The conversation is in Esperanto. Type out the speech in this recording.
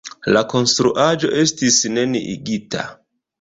La konstruaĵo estis neniigita.